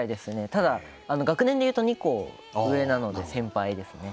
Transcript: ただ、学年でいうと２個上なので先輩ですね。